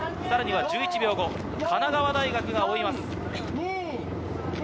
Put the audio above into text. さらには１１秒後、神奈川大学が追います。